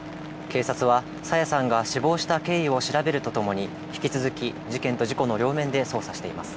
警察は、朝芽さんが死亡した経緯を調べるとともに、引き続き、事件と事故の両面で捜査しています。